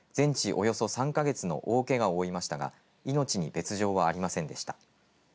およそ３か月の大けがを負いましたが命に別状はありませんでした。